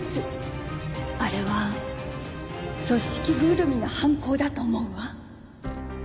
あれは組織ぐるみの犯行だと思うわ。